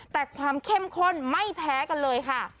แต่ความเข้มข้นไม่แพ้กันเลยค่ะ